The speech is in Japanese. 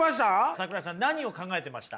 桜井さん何を考えてました？